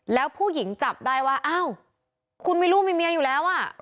แล้วผู้หญิงจับได้ว่าอ้าวคุณมีลูกมีเมียอยู่แล้วอ่ะ